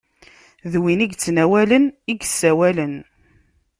D win i yettnawalen i yessawalen.